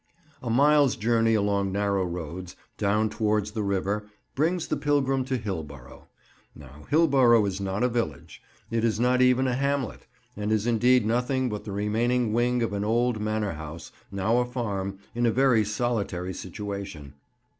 A mile's journey along narrow roads, down towards the river, brings the pilgrim to Hillborough. Now Hillborough is not a village: it is not even a hamlet, and is indeed nothing but the remaining wing of an old manor house, now a farm, and in a very solitary situation.